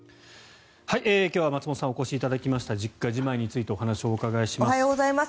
今日は松本さんにお越しいただきました実家じまいについてお話をお伺いします。